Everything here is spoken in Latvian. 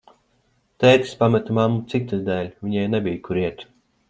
Tētis pameta mammu citas dēļ, viņai nebija, kur iet.